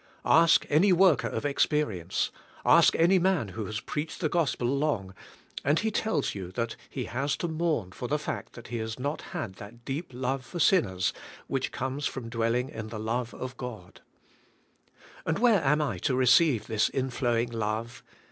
Ask any worker of experience, ask any man who has preached the gospel long, and he tells you he has to mourn the fact that he has not had that deep love for sinners which comes from dwelling in the love of God. And where am I to receive this inflowing love?